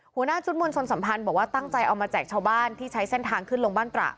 หัวหน้าชุดมวลชนสัมพันธ์บอกว่าตั้งใจเอามาแจกชาวบ้านที่ใช้เส้นทางขึ้นลงบ้านตระ